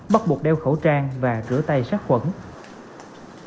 bắt buộc đeo khẩu trang và rửa tay sát khuẩn